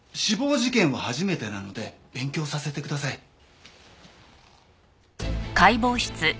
死亡事件は初めてなので勉強させてください。